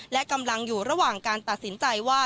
และกำลังอยู่ระหว่างการตัดสินใจว่า